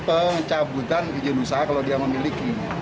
pencabutan izin usaha kalau dia memiliki